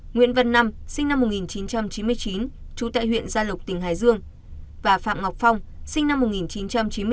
nguyễn văn năm sinh năm một nghìn chín trăm chín mươi chín trú tại huyện gia lộc tỉnh hải dương và phạm ngọc phong sinh năm một nghìn chín trăm chín mươi bốn